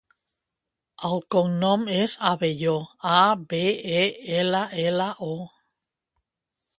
El cognom és Abello: a, be, e, ela, ela, o.